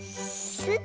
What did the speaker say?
スッ。